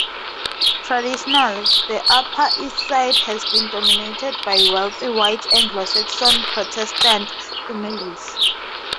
Traditionally, the Upper East Side has been dominated by wealthy White Anglo-Saxon Protestant families.